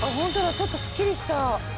ちょっとすっきりした。